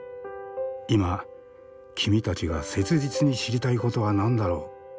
今君たちが切実に知りたいことは何だろう？